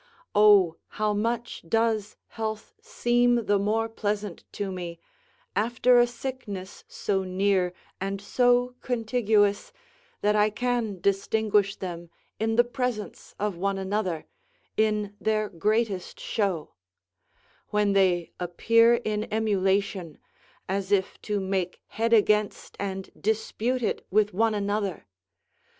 Oh, how much does health seem the more pleasant to me, after a sickness so near and so contiguous, that I can distinguish them in the presence of one another, in their greatest show; when they appear in emulation, as if to make head against and dispute it with one another!